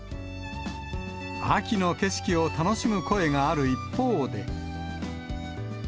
秋の景色を楽しむ声がある一方で。